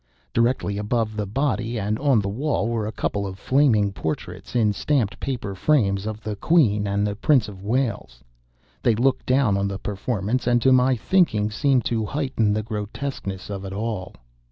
Directly above the body and on the wall were a couple of flaming portraits, in stamped paper frames, of the Queen and the Prince of Wales. They looked down on the performance, and, to my thinking, seemed to heighten the grotesqueness of it all.